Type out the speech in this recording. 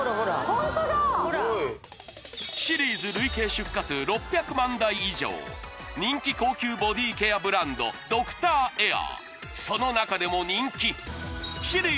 ホントだすごいシリーズ累計出荷数６００万台以上人気高級ボディケアブランドドクターエア